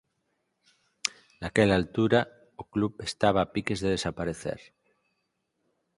Naquela altura o club estaba a piques de desaparecer.